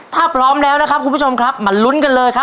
ถ้าพร้อมแล้วนะครับคุณผู้ชมครับมาลุ้นกันเลยครับ